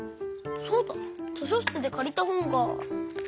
そうだ。としょしつでかりたほんが。